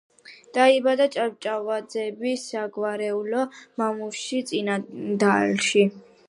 დაიბადა ჭავჭავაძეების საგვარეულო მამულში, წინანდალში.